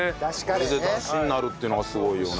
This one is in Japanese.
これでダシになるっていうのがすごいよね。